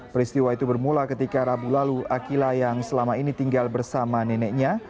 peristiwa itu bermula ketika rabu lalu akila yang selama ini tinggal bersama neneknya